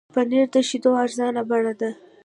پنېر د شیدو ارزانه بڼه ده.